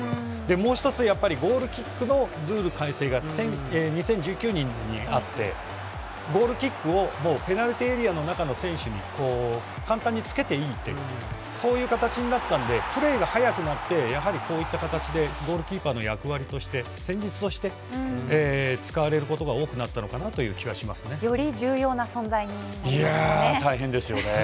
もう一つゴールキックのルール改正が２０１９年にあってゴールキックをペナルティーエリアの中の選手に簡単につけていいとそういう形になったのでプレーが早くなって、こういった形でゴールキーパーの役割として戦術として使われることが多くなったのかなより重要な存在にいや、大変ですよね。